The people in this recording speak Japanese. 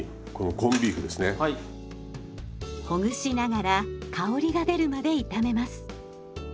ほぐしながら香りが出るまで炒めます。